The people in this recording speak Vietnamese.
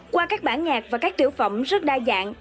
qua các bản nhạc và các tiểu phẩm rất đa dạng